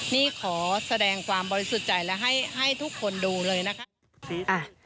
นี่ขอแสดงความบริสุทธิ์ใจและให้ทุกคนดูเลยนะคะ